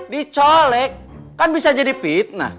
dicolek kan bisa jadi fitnah